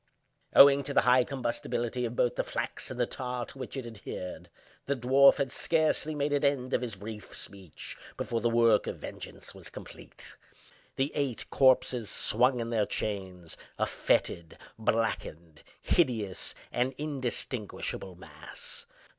Owing to the high combustibility of both the flax and the tar to which it adhered, the dwarf had scarcely made an end of his brief speech before the work of vengeance was complete. The eight corpses swung in their chains, a fetid, blackened, hideous, and indistinguishable mass.